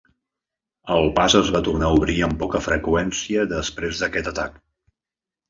El pas es va tornar a obrir amb poca freqüència després d'aquest atac.